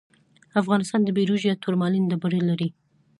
افغانستان د بیروج یا تورمالین ډبرې لري.